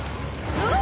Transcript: あっ！